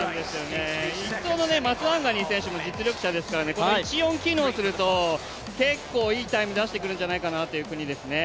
１走のマスワンガニー選手も実力者ですからこの１、４が機能すると結構いいタイム出してくるんじゃないかなという国ですね。